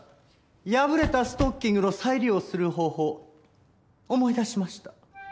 破れたストッキングの再利用する方法思い出しました。